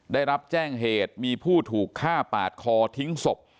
ได้รับแจ้งเหตุมีผู้ถูกฆ่าปาดคอทิ้งศพ